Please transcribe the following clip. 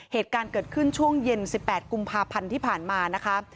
เหตุการณ์เกิดขึ้นช่วงเย็น๑๘กุมภาพันธ์ที่ผ่านมานะคะ